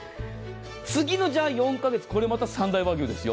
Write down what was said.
次の４カ月これまた三大和牛ですよ。